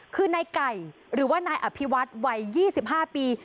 คือนายไก่หรือว่านายอภิวัฒน์วัย๒๕ปี